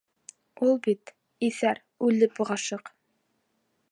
Ул бит, иҫәр, үлеп ғашиҡ!